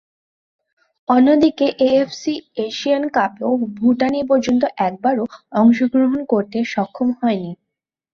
অন্যদিকে, AFC Asian কাপেও ভুটান এপর্যন্ত একবারও অংশগ্রহণ করতে সক্ষম হয়নি।